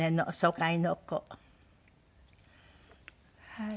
はい。